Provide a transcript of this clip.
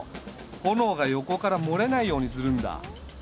炎が横から漏れないようにするんだ。